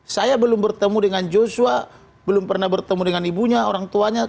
saya belum bertemu dengan joshua belum pernah bertemu dengan ibunya orang tuanya